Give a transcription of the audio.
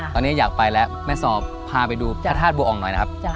ตอนนี้อยากไปแล้วแม่ซอพาไปดูพระธาตุบัวอ่องหน่อยนะครับ